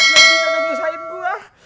nanti jangan nyusahin gue